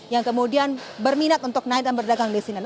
yang kemudian berminat untuk naik dan berdagang di sini